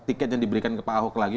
tiket yang diberikan ke pak ahok lagi